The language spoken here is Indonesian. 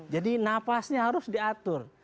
jadi napasnya harus diatur